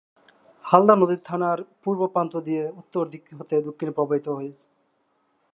হালদা নদী থানার পুর্ব প্রান্ত দিয়ে উত্তর দিক হতে দক্ষিণে প্রবাহিত হয়েছে।